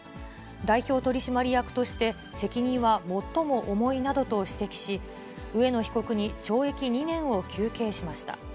代表取締役として責任は最も重いなどと指摘し、植野被告に懲役２年を求刑しました。